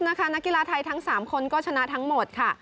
นักกีฬาไทยทั้ง๓คนก็ชนะทั้งหมดค่ะ